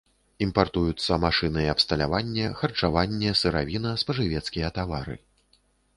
Імпартуюцца машыны і абсталяванне, харчаванне, сыравіна, спажывецкія тавары.